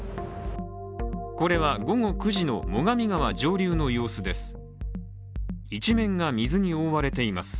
これは午後９時の最上川上流の様子です。